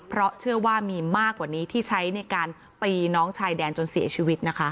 เพราะเชื่อว่ามีมากกว่านี้ที่ใช้ในการตีน้องชายแดนจนเสียชีวิตนะคะ